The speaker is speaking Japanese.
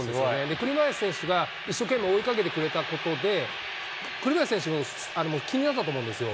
栗林選手が一生懸命追いかけてくれたことで、栗林選手も気になったと思うんですよ。